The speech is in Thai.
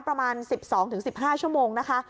ประมาณ๑๒๑๕ชั่วโมงนะคะ